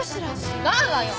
違うわよ。